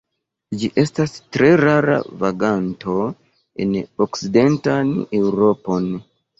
Ĝi estas tre rara vaganto en okcidentan Eŭropon.